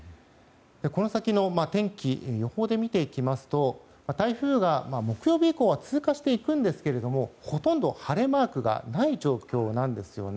この先の天気を予報で見ていきますと台風が木曜日以降は通過していきますがほとんど晴れマークがない状況なんです。